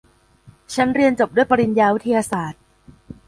ฉันเรียนจบด้วยปริญญาวิทยาศาสตร์